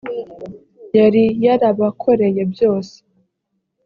yari yarabakoreye byose